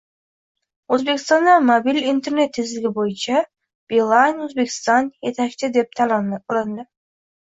O‘zbekistonda mobil internet tezligi bo‘yicha «Beeline Uzbekistan» yetakchi deb tan olindi